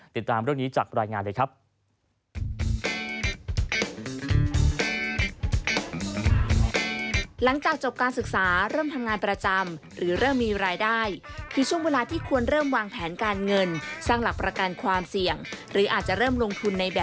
ติดตามเรื่องนี้จากรายงานเลยครับ